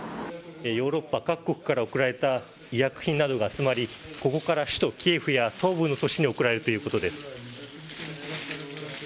ヨーロッパ各国から送られた医薬品などが集まり、ここから首都キエフや東部の都市に送られるということです。